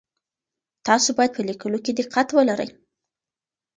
تاسو باید په لیکلو کي دقت ولرئ.